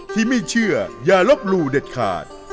ที่ไม่เชื่ออย่าลบหลู่เด็ดขาด